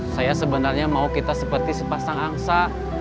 saya sebenarnya mau kita seperti sepasang angsa